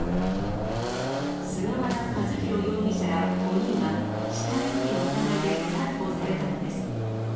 菅原和宏容疑者ら５人が、死体遺棄の疑いで逮捕されたのです。